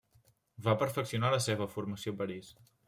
Va perfeccionar la seva formació a París.